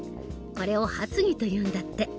これを発議というんだって。